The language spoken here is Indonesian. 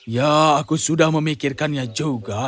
ya aku sudah memikirkannya juga